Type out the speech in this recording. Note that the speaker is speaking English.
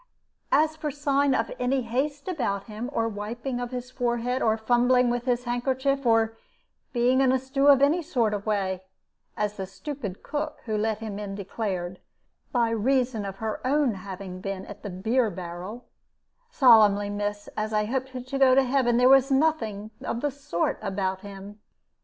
As for sign of any haste about him, or wiping of his forehead, or fumbling with his handkerchief, or being in a stew in any sort of way as the stupid cook who let him in declared, by reason of her own having been at the beer barrel solemnly, miss, as I hope to go to heaven, there was nothing of the sort about him.